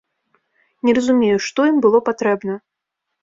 Не разумею, што ім было патрэбна.